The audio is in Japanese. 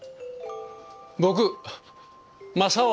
僕正雄。